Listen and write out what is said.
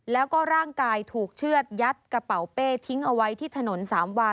แล้วก็ร่างกายถูกเชื่อดยัดกระเป๋าเป้ทิ้งเอาไว้ที่ถนนสามวา